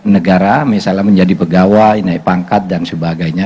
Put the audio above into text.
negara misalnya menjadi pegawai naik pangkat dan sebagainya